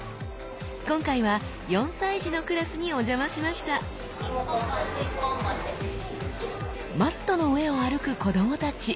今回は４歳児のクラスにお邪魔しましたマットの上を歩く子どもたち。